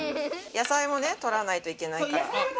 やさいもねとらないといけないから。